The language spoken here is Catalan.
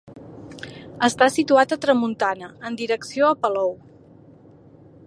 Està situat a tramuntana, en direcció a Palou.